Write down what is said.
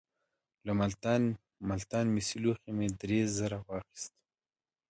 له ملتان مسي لوښي مې درې زره واخیستل.